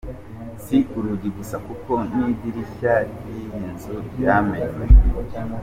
Si urugi gusa kuko n'idirishya ry'iyi nzu ryamenywe.